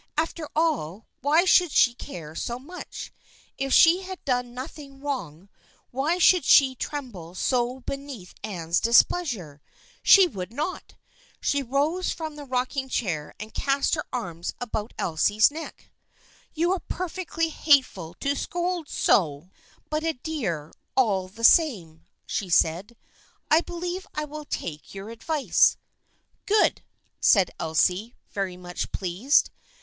After all, why should she care so much ? If she had done nothing wrong, why should she tremble so beneath Anne's displeasure ? She would not ! She rose from the rocking chair and cast her arms about Elsie's neck. " You are perfectly hateful to scold so, but a dear, all the same," said she. " I believe I will take your advice." " Good !" said Elsie, very much pleased.